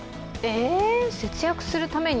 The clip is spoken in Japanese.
え、節約するために？